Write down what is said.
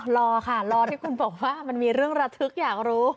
รอค่ะรอที่คุณบอกว่ามันมีเรื่องระทึกอยากรู้